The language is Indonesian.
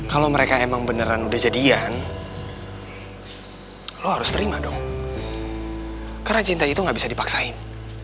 kalau mereka emang beneran udah jadian lo harus terima dong karena cinta itu gak bisa dipaksain